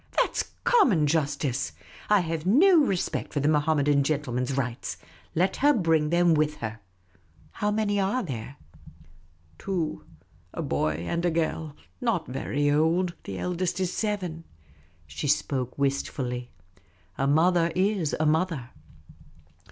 That 's common justice. I have no respect for the Mohammedan gentleman's rights. Let her l)ring them with her. How many are there ?"" Two — a boy and a girl ; not very old ; the eldest is seven." She spoke wistfully. A mother is a mother.